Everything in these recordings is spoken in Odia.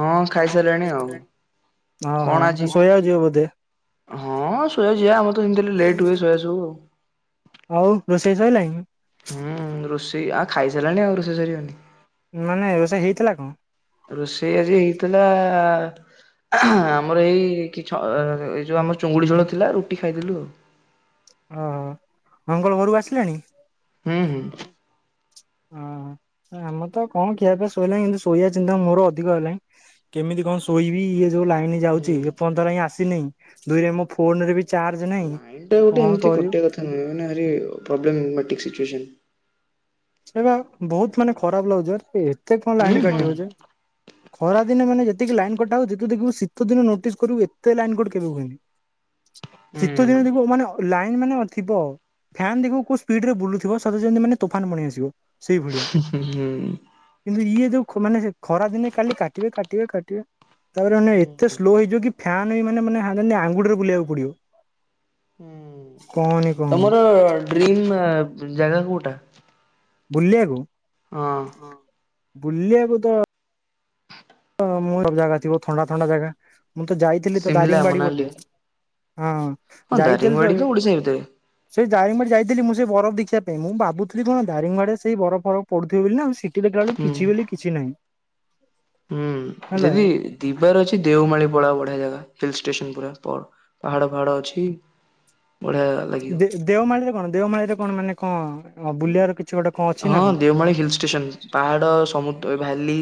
ହଁ ଖାଇସାରିଲାଣି ଆଉ। କଣ ଓହୋ ଆଜି ଶୋଇବାକୁ ଯିବ ବୋଧେ ହଁ ଶୋୟାକୁ ଯିଆ ଆମର ତ ଏମିତିରେ ଲେଟ୍ ହୁଏ ଶୋୟା ସବୁ ଆଉ। ହଉ ରୋଷେଇ ସରିଲାଣ? ହୁଁ ରୋଷେଇ ଆଉ ଖାଇ ସାରିଲାଣି ଆଉ ରୋଷେଇ ସରିବନି? ମାନେ ରୋଷେଇ ହେଇଥିଲା କଣ? ରୋଷେଇ ଆଜି ହେଇଥିଲା ଆମର ଏଇ କି ଏଇ ଯୋଉ ଆମର ଚିଙ୍ଗୁଡ଼ି ଝୋଳ ଥିଲା ରୁଟି ଖାଇଦେଲୁ ଆଉ। ଓ ମଙ୍ଗଳ ଘରକୁ ଆସିଲାଣି? ହୁଁ ହୁଁ ଓ ଆମ ତ କଣ ଖିଆ ପିଆ ଶୋଇଲାଣି କିନ୍ତୁ ଶୋଇବା ଚିନ୍ତା ମୋର ଅଧିକ ହେଲାଣି। କେମିତି କଣ ଶୋଇବି ଇଏ ଯୋଉ ଲାଇନ ଯାଉଛି ହୁଁ। ଏ ଫନ୍ତ ଆସିନି। ଦୁଇ ରେ ମୋର ଫୋନ ରେ ବି ଚାର୍ଜ ନାହିଁ ଲାଇନ ଟା ଗୋଟେ କଣ ଏମିତି କରିବୁ କଟିବା କଥା ନୁହେଁ ମାନେ ଏମିତି ପ୍ରବ୍ଲେମେଟିକ୍ ସିଚୁଏସନ। ଏ ବା ବହୁତ ମାନେ ଖରାପ ଲାଗୁଛି ଏତେ କଣ ହୁଁ ଲାଇନ ହୁଁ କାଟିବ ଯେ? ଖରା ଦିନ ମାନେ ଯେତିକି ଲାଇନ କଟା ହେଉଛି ଦେଖିବୁ ଶୀତ ଦିନ ନୋଟିସ୍ କରିବୁ ଏତେ ଲାଇନ କଟ୍ କେବେ ହୁଏନି। ହୁଁ ଶୀତ ଦିନ ଦେଖିବୁ ମାନେ ଅ ଲାଇନ ମାନେ ଥିବ ଫ୍ୟାନ୍ ଦେଖିବୁ କୋଉ ସ୍ପିଡ ରେ ବୁଲୁଥିବ ସତେ ଯେମିତି ମାନେ ତୋଫାନ ପଲେଇ ଆସିବ। ସେଇଭଳିଆ। ହୁଁ କିନ୍ତୁ ଇଏ ଯୋଉ ମାନେ ଖରାଦିନେ କାଲି କାଟିବେ କାଟିବେ କାଟିବେ। ତାପରେ ମାନେ ଏତେ ସ୍ଲୋ ହେଇଯିବ କି ଫ୍ୟନ୍ ବି ମାନେ ମାନେ ଆଙ୍ଗୁଠରେ ବୁଲେଇବାକୁ ପଡିବ। ହୁଁ କହନି କହନି। ତମର ଡ୍ରିମ ଜାଗା କୋଉଟା? ବୁଲିବାକୁ? ହଁ ବୁଲିବାକୁ ତ ହ ମ ସବୁ ଜାଗା ଥିବ ଥଣ୍ଡା ଥଣ୍ଡା ଜାଗା ମୁଁ ତ ଯାଇଥିଲି ତ ସିମଲା ଦାରିଙ୍ଗବାଡି ପଟେ। ମନାଲି। ହଁ ଯାଇଥିଲି ତ ଦାରିଙ୍ଗବାଡି ଏ ଓଡିଶା ଭିତରେ ସେଇ ଦାରିଙ୍ଗବାଡି ଯାଇଥିଲି ମୁଁ ସେ ବରଫ ଦେଖିବା ପାଇଁ ମୁଁ ଭାବୁଥିଲି କଣ ଦାରିଙ୍ଗବାଡ଼ି ରେ ବରଫ ଫରଫ ପଡୁଥିବ ବୋଲି ନା ଆଉ। ଶି ଦେଖିଲ ବେଳୁ ହୁଁ। କିଛି ବୋଲି କିଛି ନାହିଁ। ହୁଁ ହେଲା ଦିଦି ଯିବାର ଅଛି ଦେଓମାଳି ପଳାଅ ବଢିଆ ଜାଗା ହିଲ ଷ୍ଟେସନ ପୁରା ପାହାଡ ଫାହାଡ ଅଛି। ବଢିଆ ଲାଗିବ। ଦେ ଦେଓମାଳି ରେ କଣ ଦେଓମାଳିରେ କଣ ମାନେ କଣ ବୁଲିବାର କିଛି ଗୋଟେ କଣ ଅଛି ନା ହଁ କଣ? ଦେଓମାଳି ହିଲ୍ ଷ୍ଟେସନ୍ ପାହାଡ ସମୁଦ୍ର ଭେଲି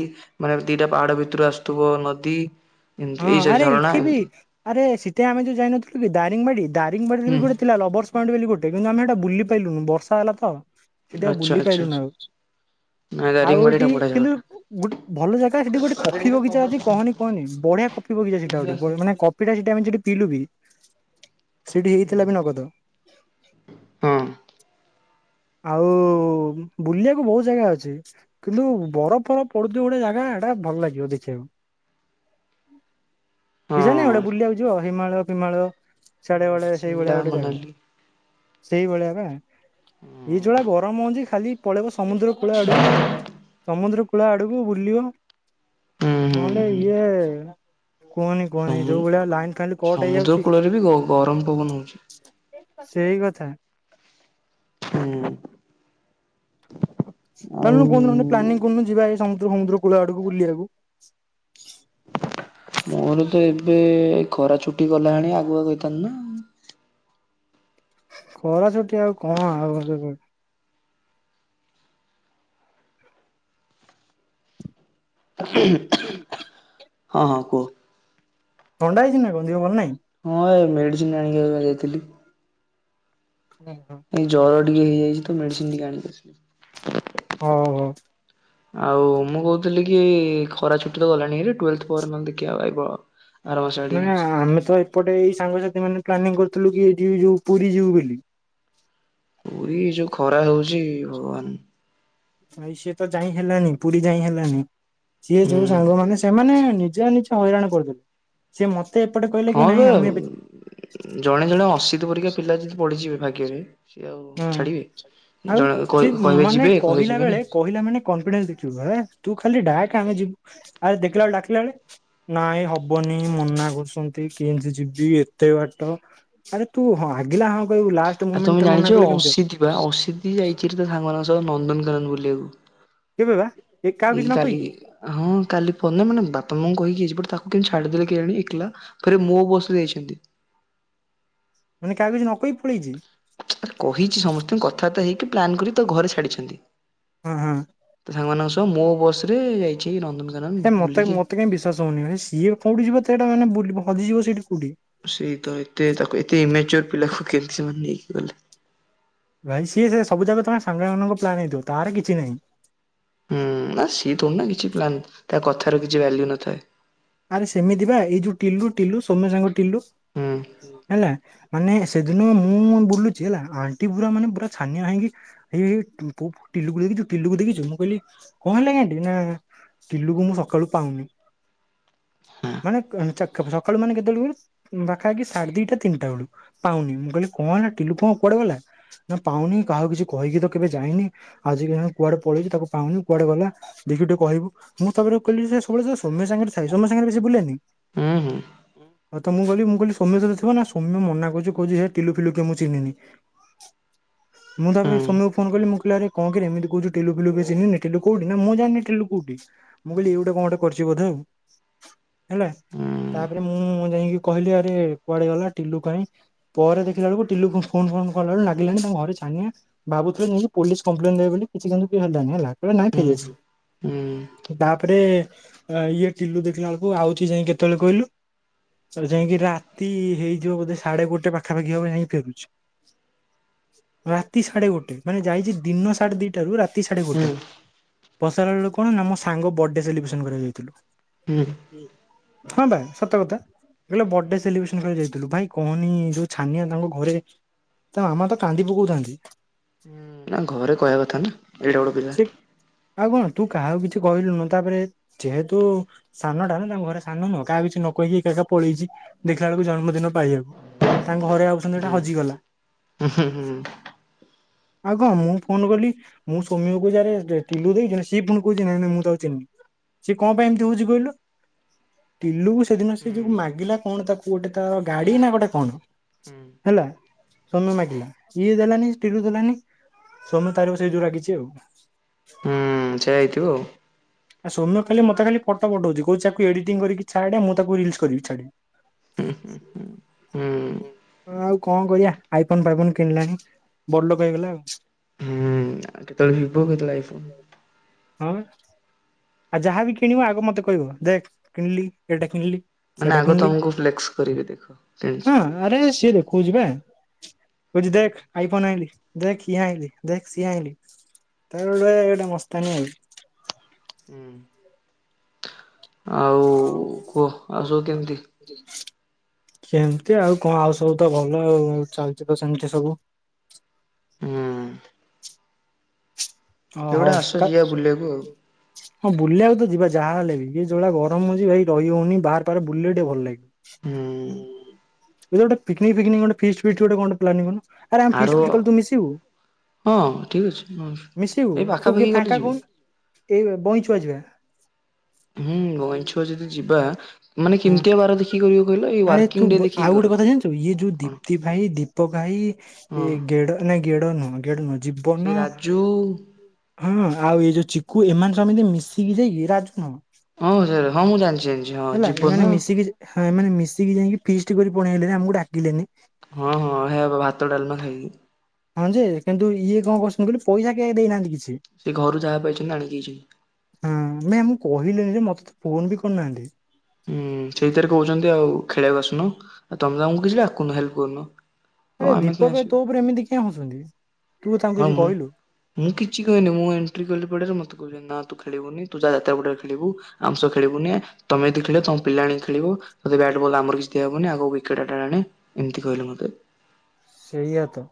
ମାନେ ଦିଟା ପାହାଡ ଭିତରୁ ଆସୁଥିବ ନଦୀ। ଏମତି ହଁ ଏଇ ସରି ଆରେ ଝରଣା ଏଇଠି ବି ଏମତି ଆରେ ସେଥିେ ଆମେ ଯୋଉ ଯାଇନଥିଲୁ କି ଦାରିଙ୍ଗ ବାଡି ଦାରିଙ୍ଗ ବାଡି ରେ ହୁଁ ବି ଗଟେ ଥିଲା ଲବର ଗୋଟେ କିନ୍ତୁ ଆମେ ସେଟା ବୁଲି ପାଇଲୁନୁ ବର୍ଷା ହେଲା ତ ସେଠି ଆଉ ଆଚ୍ଛା ବୁଲି ପ ଆଚ୍ଛା। ପାଇଲୁନୁ ଆଉ। ନାଇଁ ଆଉ ଦାରିଙ୍ଗବାଡି ଟା ଏଠି ବଢିଆ କିନ୍ତୁ ଜାଗାଟା। ଗୋଟେ ଭଲ ଜାଗା ସେଠି ଗୋଟେ କଫି ବଗିଚା ଅଛି କହନି କହନି। ବଢିଆ କଫି ବଗିଚା ସେଟା ଗୋଟେ ମାନେ କପିଟା ସେଠି ଆମେ ସେଠି ପିଲଲୁ ବି ସେଠି ହୁଁ ହେଇଥିଲା ବି ନଗଦ। ହଁ ଆଉ ବୁଲିବାକୁ ବହୁତ ଜାଗା ଅଛି। କିନ୍ତୁ ବରଫ ଫରଫ ପଡୁଥିବ ଗୋଟେ ଜାଗା ଏଟା ଭଲ ଲାଗିବ ଦେଖିବାକୁ। ହଁ। [unintelligible] ନାଇଁ ଗୋଟେ ବୁଲିବାକୁ ଯିବ ହିମାଳୟ ପିମାଳୟ। ହୁଁ ସେଡେ ବେଳେଆ ସେଇଭଳିଆ ଶିମଲା ଗୋଟେ ଜାଗା ମନାଲି ସେଇଭଳିଆ ନା। ହୁଁ ଇ ଛୁଡା ଗରମ ହଉଛି ଖାଲି ପଳେଇବ ସମୁଦ୍ର କୂଳ ଆଡକୁ ସମୁଦ୍ର କୂଳ ଆଡକୁ ବୁଲିବ। ହୁଁ ନହଲେ ହୁଁ ଇଏ। କୁହନି କୁହନି ସମୁ ଯୋଉ ଭଳିଆ ଲାଇନ୍ ଖାଲି କଟ ସମୁଦ୍ର ହେଇଯାଉଛି। କୂଳରେ ବି ଗରମ ପବନ ହଉଛି। ସେଇ କଥା। ହୁଁ। ଆଉ ଚାଲୁନୁ କୋଉଦିନ ଗୋଟେ ପ୍ଲାନିଂ କରୁନୁ ଯିବା ଏଇ ସମୁଦ୍ର ସମୁଦ୍ର କୂଳ ଆଡକୁ ବୁଲିବାକୁ। ମୋର ତ ଏବେ ଏ ଖରା ଛୁଟି ଗଲାଣି ଆଗୁଆ କହିଥାନ୍ତୁ ନା ଖରା ଛୁଟି ଆଉ କଣ ଆଉ ହଁ ହଁ କୁହ? ଥଣ୍ଡା ହେଇଛି ନା ଦିହ ଭଲ ନାଇଁ। ହଁ ଏ ମେଡ଼ିସିନ ଆଣିକି ଯାଇଥିଲି। ହୁଁ। ଏଇ ଜର ଟିକେ ହେଇଯାଇଛି ତ ମେଡିସିନ ଟିକେ ଆଣିକି ଆସିଲି। ହଁ ହଉ। ଆଉ ମୁଁ କହୁଥିଲି କି ଖରା ଛୁଟି ତ ଗଲାଣି ଭାରି ତ୍ ଟୁଏଲଥ ପରେ ନହେଲେ ଦେଖିବା ଆଉ ଭାଇ। ନା ଆମେ ତ ଏପଟେ ଏଇ ସାଙ୍ଗସାଥି ମାନେ ପ୍ଲାନିଂ କରିଥିଲୁ କି ଏଠି ଯୋଉ ପୁରୀ ଯିବୁ ବୋଲି। ପୁରୀ ଯୋଉ ଖରା ହଉଛି ଭଗବାନ। ଭାଇ ସିଏ ତ ଯାଇ ହେଲାନି ପୁରୀ ଯାଇ ହେଲାନି ସିଏ ହୁଁ ଯୋଉ ସାଙ୍ଗ ମାନେ ସେମାନେ ନିଜ ନିଜ ହଇରାଣ କରୁଦଉଥିଲେ ସେଏ ମତେ ଏପଟେ କହିଲେ ହଁ କି ନାଇଁ ଆମେ ବେ ଏ ଜଣେ ଜଣେ ଅଶୀତ ପରିକା ପିଲା ଯଦି ପଢିଯିବେ ଭାଗ୍ୟରେ ସିଏ ଆଉ ହଁ ଛାଡିବେ ଆଉ ଜଣେ ସିଏ କହିବେ ମାନେ ଯିବେ କହିବେ କହିଲା ବେଳେ ଯିବେନି। କହିଲା ମାନେ କନଫିଡେନ୍ସ ଦେଖିବୁ ହେଲା ତୁ ଖାଲି ଡାକ୍ ଆମେ ଯିବୁ ଆ ଦେଖିଲା ଡାକିଲା ବେଳେ ନାଇଁ ହବନି ମନା କରୁଛନ୍ତି କେମିତି ଯିବି ଏତେ ବାଟ? ଆରେ ତୁ ହଁ ଆଗିଲା ହଁ କହିବୁ ଲାଷ୍ଟ ମୁମେଣ୍ଟରେ ମନା କଲେ କେମିତି ହବ ଅସିତ୍ ବା ଅସିଧି ଯାଇଛି ତ ସାଙ୍ଗମାନଙ୍କ ସହ ନନ୍ଦନକାନନ ବୁଲିବାକୁ। କେବେ ବା କାହାକୁ ଏ କିଛି ନ କାଲି କହିକି ହଁ କାଲି ପରଦିନ ମାନେ ବାପା ମାଁଙ୍କୁ କହିକି ଆଇଛିି ବଟ ତାକୁ କେମିତି ଛାଡ଼ିଦେଲେ କେଜାଣି ଏକଲା। ଫେରେ ମୋ ବସରେ ଯାଇଛନ୍ତି। ମାନେ କାହାକୁ କିଛି ନ କହି ପଳେଇଛି? ଆ କହିଛି ସମସ୍ତଙ୍କୁ କଥାବାର୍ତା ହେଇକି ପ୍ଲାନ୍ କରିିକି ତ ଘରେ ଛାଡିଛନ୍ତି। ହଁ ହଁ। ତ ସାଙ୍ଗମାନଙ୍କ ସହ ମୋ ବସରେ ଯାଇଛି ନନ୍ଦନକାନ ହେ ମତେ ମତେ କାଇଁ ବିଶ୍ୱାସ ହଉନି ସିଏ କୋଉଠି ଯିବ ଏତେ ବାଟ ମାନେ ହଜିଯିବ ସେଠି କୋଉଠି? ସେଇ ତ ଏତେ ତାକୁ ଏତେ ଇମେଚର ପିଲାକୁ କେମତି ସେମାନେ ନେଇକି ଗଲେ? ଭାଇ ସିଏ ସେ ସବୁ ଜାଗା ତମେ ସାଙ୍ଗମାନଙ୍କ ପ୍ଲାନ୍ ହେଇଥିବ ତାର କିଛି ନାହିଁ। ହୁଁ ନା ସିଏ ଥୋଡ଼ି ନା କିଛି ପ୍ଲାନ୍ ତା କଥାର କିଛି ଭାଲ୍ୟୁ ନଥାଏ। ଆରେ ସେମିତି ବା ଏଇ ଯୋଉ ଟିଲୁ ଟିଲୁ ସୋମ୍ୟ ସାଙ୍ଗ ଟିଲୁ ହୁଁ ହେଲା ମାନେ ସେଦିନ ମୁଁ ବୁଲୁଛି ହେଲା ଆଣ୍ଟି ପୁରା ମାନେ ପୁରା ଛାନିଆ ହେଇକି ଏଇ ତୁ ଟିଲୁକୁ ଦେଖିଛୁ ଟିଲୁକୁ ଦେଖିଛୁ ମୁଁ କହିଲି କଣ ହେଲାକି ଆଣ୍ଟି ନା ସିଲୁକୁ ମୁଁ ସକାଳୁ ପାଉନି। ମାନେ ହଁ ସକାଳୁ ମାନେ କେତେବେଳକୁ? ପାଖାପାଖି ସାଢେ ଦିଟା ତିନିଟା ବେଳୁ ପାଉନି ମୁଁ କହିଲି କଣ ହେଲା ଟିଲୁ କଣ କୁଆଡେ ଗଲା? ନା ପାଉନି କାହାକୁ କିଛି କହିକି ତ କେବେ ଯାଇନି ଆଜିିକାଲି କୁଆଡେ ପଳେଇଛି ତାକୁ ପାଉନି କୁଆଡେ ଗଲା? ଦେଖି ଟିକେ କହିବୁ ମୁଁ ତାରେ କହିଲି ଯେ ସବୁବେଳେ ସୋମ୍ୟ ସାଙ୍ଗରେ ସାଇ ସୋମ୍ୟ ସାଙ୍ଗରେ ବେସି ବୁଲେନି। ହୁଁ ହୁଁ। ହଁ ମୁଁ କହିଲି ମୁଁ କି ସୌମ୍ୟ ସହିତ ଥିବ ନା ସୌମ୍ୟ ମନା କରୁଛି କହୁଛିି ଟିଲୁ ଫିଲୁ କିଏ ମୁଁ ଚିହ୍ନିନି। ମୁଁ ତାପରେ ହୁଁ ସୌମ୍ୟକୁ ଫୋନ୍ କଲି ମୁଁ କହିଲି ଆରେ କଣ କିରେ ଏମିତି କହୁଛୁ ଟିଲୁ ଫିଲୁ କିଏ ଚିହ୍ନିନି ଟିଲୁ କୋଉଠି ନା ମୁଁ ଜାଣିନି ଟିଲୁ କୋଉଠି? ମୁଁ କହିଲି ଏଇ ଗୋଟେ କଣ ଗୋଟେ କରିଛି ବୋଧେ ଆଉ ହେଲା ହୁଁ ତାପରେ ମୁଁ ଯାଇକି କହିଲି ଆରେ କୁଆଡେ ଗଲା ଟିଲୁ କାହିଁ? ପରେ ଦେଖିଲା ବେଳକୁ ଟିଲୁକୁ ଫୋନ ଫୋନ କଲାବେଳକୁ ଲାଗିଲାଣି ତାଙ୍କ ଘରେ ଛାନିଆ ଭାବୁଥିଲି ପୋଲିସ୍ କମ୍ପ୍ଲେନ ଦେବେ ବୋଲି କିଛି କିନ୍ତୁ କି ହେଲାନି ହେଲା କ ନାହିଁ ହୁଁ ହୁଁ ଠିକ୍ ଅଛି। ତାପରେ ଇଏ କିଲୁ ଦେଖିଲା ବେଳକୁ ଆଉଛି ଯାଇ କେତେବେଳେ କହିଲୁ ଆଉ ଯାଇକି ରାତି ହେଇଯିବ ବୋଧେ ସାଢେ ଗୋଟେ ପାଖାପାଖି ହବ ଯାଇକି ଫେରୁଛି। ରାତି ସାଢେ ଗୋଟେ ମାନେ ଯାଇଛି ଦିନ ସାଢେ ଦିଟା ରୁ ରାତି ସାଢେ ହୁଁ ଗୋଟେ। ବସା ବେଳକୁ କଣ ନା ଆମ ସାଙ୍ଗ ବର୍ଥଡେ ସେଲିବ୍ରେସନ କରାଯାଇଥିଲୁ। ହୁଁ ହଁ ଭା ସତ କଥା। କ ବର୍ଥଡେ ସେଲିବ୍ରେସନ ଯାଇଥିଲୁ ଭାଇ କହନି ଯୋଉ ଛାନିଆ ତାଙ୍କ ଘରେ ତ ମାମା ତ କାନ୍ଦି ପକଉଥାନ୍ତି। ନା ଘରେ କହିବା କଥା ନା ଏଡେ ବଡ ପିଲା। ସେ ଆଉ କଣ ତୁ କାହାକୁ କିଛି କହିଲୁନୁ ତାପରେ ଯେହେତୁ ସାନଟା ନା ତାଙ୍କ ଘରେ ସାନ ନୁହଁ କାହା କିଛି ନ କହିକି ଏକା ଏକ ପଳେଇଛି ଦେଖିଲା ବେଳକୁ ଜନ୍ମଦିନ ପାଇବାକୁ। ତାଙ୍କ ଘରେ ଆଉଛନ୍ତି ଏଇଟା ହଜିଗଲା। ହୁଁ ହୁଁ ହୁଁୁଁ ଆଉ କଣ ମୁଁ ଫୋନ କଲି ମୁଁ ସୋମ୍ୟ କକୁ ଯାାରେ ଟିଲୁ ଦେଇଛି ସି ପୁଣି କହୁଛି ନଁଁ ମୁଁ ତାକୁ ଚିହ୍ନି ସିଏ କଣ ପାଇଁମ ଉଛି କହିଲୁ ତିଲୁ ସେଦିନ ସେ ଯୋଉ ମାଗିଲା କଣ ତାକୁ ଗୋଟେ ତାର ଗାଡି ନା ଗୋଟେ କଣ? ହୁଁ ହେଲା ସୌମ୍ୟ ମାଗିଲା ଇଦଲାନି ଟିଲୁ ଦେଲାନି। ସୌମ୍ୟ ତାରି ଉପରେ ସେଇ ଯୋଉ ରାଗିଛି ଆଉ। ହଁ ସେଆ ହେଇଥିବ ଆଉ। ଆ ସୌମ୍ୟ କାଲି ମତେ ଖାଲି ଫଟୋ ପଠଉଛି କଉକୁ ଏଡିଟିଂ କରିକ ଛା ମୁଁ ତାକୁ ରିଲ କରି ଛାଡେ। ହୁଁ ହୁଁ ହୁଁ ହୁଁ ଆଉ କଣ କରିବାଆ ଆଇଫୋନ ଫାଇଫୋନ କିଣିଲାଣି ବଡଲୋକ ହେଇଗଲା ଆଉ। ଆଉ କେତେବେଳେ ଭିଭୋ କେତେବେଳେ ଆଇଫୋନ୍। ହଁ ଆଉ ଯାହାବି କିଣିବ ଆଗ ମତେ କହିବ ଦେଖ କିଣିଲି ଏଇଟା କିଣିଲି। ମାନେ ସେଇଟା ଆଗ କିଣିଲି ତମକୁ ଫ୍ଲେକ୍ସ କରିବି ଦେଖ କିଣିଛି। ଆରେ ସିଏ ଦେଖାଉଛି ବା ବୁଛି ଦେଖ ଆଇ ଫୋନ ଆଇଲିି ଦେଖ ଇଏ ଆଇଲି ଦେଖ ସିଏ ଆଇଲି। ତବେେ ଗୋଟେ ମସ୍ତାନୀ ଆ ହୁଁ ଆଉ କୁହ ଆସ କେମିତି କେମିତି ଆଉ କଣ ଆଉ ସବୁ ତ ଭଲ ଆଉ ଚାଲିଚ ତ ସେମିତି ସବୁ ହୁଁ ଓ କେବେ ଗୋଟେ ହଉ ଆସ ଯିବା ବୁଲିବାକୁ ଆଉ ହଁ ବୁଲିବାକୁ ତ ଯିବା ଯାହା ହେେଲେ ବି ଯ ଯଉଳିା ଗରମ ହଉଛି ଭାଇ ରହି ହଉନି ବାହାର ପାର ବୁଲେଇ ଟିକେ ଭଲ ହୁଁ ଲାଗିବ ଗୋଟେ ପନିକିକ ଫିକନିକ୍ ଗୋଟେ ଫିଷ୍ଟ ଫିଷ୍ଟ ର ଗୋଟେ ପ୍ଲାନିଙ୍ଗ କରୁନା ଆରେ ଆମ ଫି୍ ଫି୍ ଆର କଲେ ତୁ ମିଶିବୁ ହଁ ହ ଠିକ୍ ଅଛି ହଁ ମିଶିବୁ ଏଇ ତୁ କିଏ ପାଖାପାଖି ଗଲେ ଫାଙ୍କା ଯିବି। କୁନ ଏଇ ବଇଛୁଆ ଯିବା ହୁଁ ଗ ଛୁଆ ଯଦି ଯିବା ମାନେ ହଁ କେମିତି ଆବାର ଦେଖିିବ କହିଲ ଏଇ ଆରେ ତୁ ୱାର୍କିଂ ଡେ ଦେଖିକି ଆଉ ଗୋଟେ କର କଥା ଜାଣିଛୁ ଇଏ ଯୋଉ କଣ ଦୀପ୍ତି ଭାଇ ଦୀପକ ଭାଇ ହଁ ଏ ଗେଡ ନା ଗେଡ ନୁହଁ ଗେଡ ନୁହଁ ବନ ସେ ରାଜୁ ହଁ, ଆଉ ଏଇ ଯୋଉ ଚିକୁ ଏମାନେ ତ ଏମିତି ମିଶିକି ଯାଇକି ଇରାଜୁ ନ ହଁ ସାର୍, ହଁ ମୁଁ ଜାଣିଚି। ହେଲା ଏମାନେ ମିଶିକିଁ ଏମାନେ ମିଶିକି ଯାଇକି ଫିଷ୍ଟ କରି ଥ୍ୟପେଇଳଳନକରିକିଲେଣି ଆମକୁ ଡାକିଲେନି ହଁ- ହଁ, ଏହା ଭାତ ଡାଲମା ହେଇଚି। ହଁ ଯେ, କିନ୍ତୁ ଇଏ କଣ କରୁଛନ୍ତି? କହିଲି ପଇସା କେ ଦେଇନାହାନ୍ତି କିଛି। ସେ ଘରୁ ଯାହା ପାଇଛନ୍ତି ଆଣିକି। ହଁ, ନାଇ ମୁଁ କହିଲିନି ଯେ ମତେ ତ ଫୋନ ବି କରି ନାହାନ୍ତି। ହୁଁ, ସେଇଥିରେ କହୁଛନ୍ତି ଆଉ ଖେଳିବାକୁ ଆସୁନ। ଆଉ ତମେ ତମକୁ କିଛି ଡାକୁନ ହେଲ୍ପ କରୁନ। ଆଉ ଆରେ ଆମେ କାଇଁ ଦୀପକ ଭ ଆସିବୁ ତୋ ଉପରେ ଏମିତି କିଏ ହସୁଛନ୍ତି। ତୁ ତାଙ୍କୁ ହଁ କିଛି ମୁଁ କହିଲୁ‌? ମୁଁ କିଛି କହିନି। ମୁଁ ଏଣ୍ଟ୍ରି କଲି ପଡ଼ାରେ ମତେ କ କହୁଚନ୍ତି ନା ତୁ ଖେଳିବୁନି, ତୁ ଯା ତା ପଟରେ ଖେଳିବୁ, ଆମ ସ ଖେଳିବୁନି, ତୋମେ ଯଦି ଖେଳିବ ତମ ପିଲା ଆଣିକି ଖେଳିବ କେହିଲେ ବେଟ୍ ବଲ୍ଲ ଆମର କିଛିି ଦିଆ ହବନି ଆଗକୁ ୱିକେଟ ଆଣେ ଏମିତି କହିଲେ ମତେ। ସେଇଆ ତ।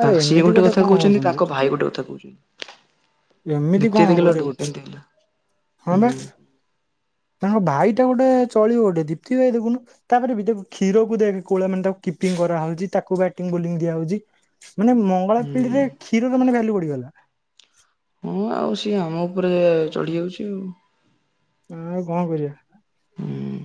ଆରେ ତାଙ୍କ ସିଏ ଏମିତି ଗୋଟେ କଥା କଣ କହୁଛନ୍ତି, ହଉଛନ୍ତି ତାଙ୍କ ଭାଇ ଗୋଟେ କଥା କହୁଛନ୍ତି। ଏମିତି ଦ୍ୱିତୀୟ କଣ ଦେଖିଲ ହବ ଯେ ଟି ଗୋଟେ କେମିତି ହେଲା ହଁ ହୁଁ ବା? ତାଙ୍କ ଭାଇଟା ଗୋଟେ ଚଳିବ ଗୋଟେ ଦପ୍ତି ଭାଇ ଦେଖୁନୁ ତାପରେ ବିିତକୁ କ୍ଷୀରକୁ ଦେଖେ କୋଉ ଭଳିଆ ମାନେ ତାକୁ କିପିଙ୍ଗ କରାହଉଛି ତାକୁ ବ୍ୟାଟିଂ ବୋଲି ଦିଆ ହଉଛି। ମାନେ ମଙ୍ଗଳା ହୁଁ। ପିଢିରେ କ୍ଷୀର ମାନେ ଭାଲ୍ୟୁ ବଢିଗଲା। ହଁ, ଆଉ ସିଏ ଆମ ଉପରେ ଚଢ଼ି ଯାଉଛି ଆଉ। ଆଉ କଣ କରିବା? ହୁଁ।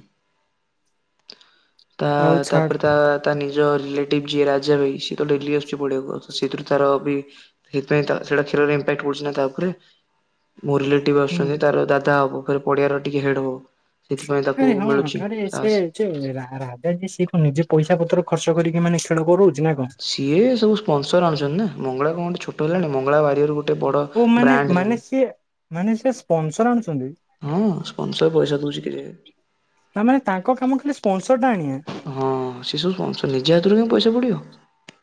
ତା ଆଉ ଛାଡ ତାପରେ ତା ତା ନିଜ ରିଲେଟିଭ ଯିଏ ରାଜା ରହିଛି। ଡେଲି ଆସୁଛି ପଡିଆକୁ ସେଥିରୁ ତାର ବି ସେଥିପାଇ ତା ସେଟା କ୍ଷୀରରେ ଇପାକ୍ଟ ପଡୁଛି ନା ତା ଉପରେ। ମୋ ରିଲେଟିଭ ହୁଁ। ଆସୁଛନ୍ତି ତାର ଦାଦା ହବ ଫେରେ ପଡିଆର ଟିକେ ହେଡ ହବ। ସେଥିପାଇଁ ଆରେ ତାକୁ ହଁ ମିଳୁଛି ଆରେ ସାହସ। ସେ ରା-ରାଜା ଯିଏ ସିଏ କଣ ନିଜେ ପଇସା ପତର ଖର୍ଚ୍ଚ କରିକି ମାନେ ଖେଳ କରଉଛି ନା କଣ? ସିଏ ସବୁ ସ୍ପନସର ଆଣୁଛନ୍ତି। ନା ମଙ୍ଗଳା କଣ ଛୋଟ ହେଲାଣି ମଙ୍ଗଳା ବାରିଆରୁ ଗୋ ଓ ମାନେ ମାନେ ସିଏ ମାନେ ସେ ସ୍ପନସର ଆଣୁଛନ୍ତି। ହଁ, ସ୍ପନସର ପଇସା ଦଉଛି ଖେଳିବାକୁ। ତା ମାନେ ତାଙ୍କ କାମ ଖାଲି ସ୍ପନସର ଟା ଆଣିବା। ହଁ, ସେ ସବୁ [unintelligible] ନିଜ ହାତରୁ କାଇଁ ପଇସା ପଡ଼ିବ।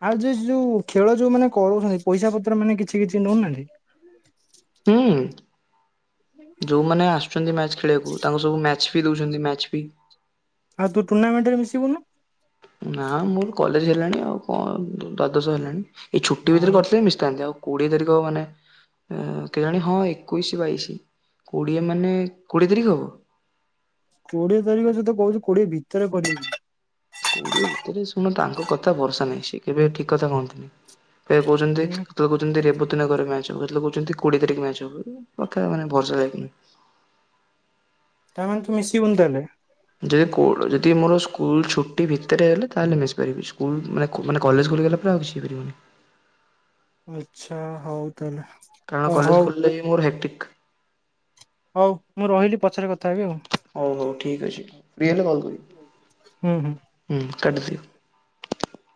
ଆଉ ଯ ଯୋଉ ଖେଳ ଯୋଉ ମାନେ କରୁଛନ୍ତି। ପଇସା ପତ୍ର ମାନେ କିଛି କିଛି ନଉ ନାହାନ୍ତି? ହୁଁ, ଯୋଉମାନେ ଆସୁ ଛନ୍ତି ମ୍ୟାଚ ଖେଳିବାକୁ ତାଙ୍କୁ ସବୁ ମ୍ୟାଚ ବି ଦଉଛନ୍ତି ମ୍ୟାଚ ବି। ଆଉ ତୁ ଟୁର୍ଣ୍ଣାମେଣ୍ଟରେ ମିଶିବୁନୁ। ନା ମୋର କଲେଜ ହେଲାଣି ଆଉ କଣ ଦ୍ଵାଦଶ ହେଲାଣି ଏଇ ଛୁଟି ନା ଭିତରେ କରିଥିଲେ ମିଶଥାନ୍ତି ଆଉ କୋଡ଼ିଏ ତାରିଖ ମାନେ ଏ କେଜାଣି ହଁ ଏକୋଇଶ ବାଇଶି କୋଡିଏ ମାନେ କୋଡିଏ ତାରିଖ ହବ। କୋଡିଏ ତାରିଖ ସେତ କହୁଛି କୋଡିଏ ଭିତରେ କରିବ କୋଡିଏ ଭିତରେ ଶୁଣ ତାଙ୍କ କଥା ଭରସା ନାହିଁ। ସେଏ କେବେ ଠିକ କଥା କହନ୍ତିନି? କେ କହୁଛନ୍ତି କେତେଳେ କହୁଛନ୍ତି ରେବତୀଗରେ ମ୍ୟାଚ୍ ହବ କେତେଳେ କହୁଛନ୍ତି କୋଡିଏ ତାରିଖ ମ୍ୟାଚ୍ ହବ, ଏ କଥା ମାନେ ଭରସା ଲାଇକି ନୁହେଁ। ତାମାନେ ତୁ ମିଶିବୁନି ତାହେଲେ? ଯେ କୋଡ଼ ଯଦି ମୋର ସ୍କୁଲ ଛୁଟି ଭିତରେ ହେଲେ ତାହେଲେ ମିଶି ପାରିବି ସ୍କୁଲ ମାନ ମାନେ କଲେଜ ଖୋଲିଗଲେ ପରେ ଆଉ ମିଶି ପାରିବିନି। ଆଚ୍ଛା ହଉ ତାହଲେ। କାରଣ କଲେଜ ଖୋଲିଲେ ମୋର ହେକ୍ଟିକ ହଉ ମୁଁ ରହିଲି ପଛରେ କଥା ହେବି ଆଉ। ହଉ ହଉ ଠିକ୍ ଅଛି ଫ୍ରି ହେଲେ କଲ୍ କରିବି ହୁଁ ହୁଁ। ହୁଁ କାଟି ଦିଅ।